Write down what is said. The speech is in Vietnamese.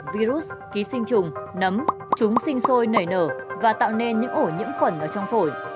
virus ký sinh trùng nấm chúng sinh sôi nảy nở và tạo nên những ổ nhiễm khuẩn ở trong phổi